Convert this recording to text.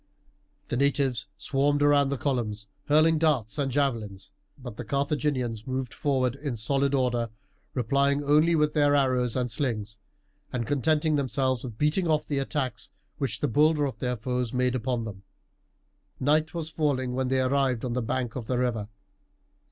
The natives swarmed around the columns, hurling darts and javelins; but the Carthaginians moved forward in solid order, replying only with their arrows and slings, and contenting themselves with beating off the attacks which the bolder of their foes made upon them. Night was falling when they arrived on the bank of the river.